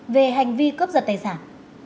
về hành vi cướp giật tài sản